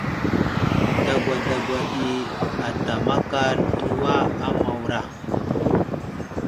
Dagwa dagwa ɗi ata makar təwa a Mawra.